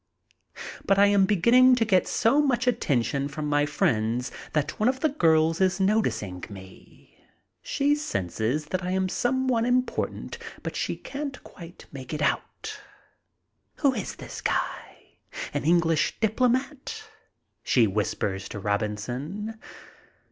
But I am beginning to get so much attention from my friends that one of the girls is noticing me. She senses that I am some one important, but she can't quite make it out. "Who is this guy, an English diplomat?" she whispers to Robinson.